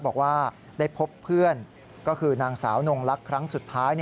บอกว่าได้พบเพื่อนก็คือนางสาวนงลักษณ์ครั้งสุดท้าย